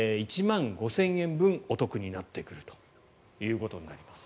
１万５０００円分お得になってくるということになります。